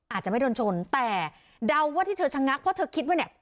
อาจจะไม่โดนชนแต่เดาว่าที่เธอชะงักเพราะเธอคิดว่าเนี่ย